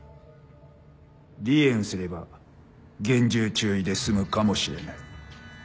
離縁すれば厳重注意で済むかもしれない。